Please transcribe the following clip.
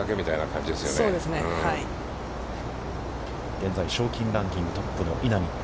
現在賞金ランキングトップの稲見。